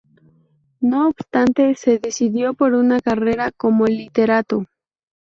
No obstante, se decidió por una carrera como literato.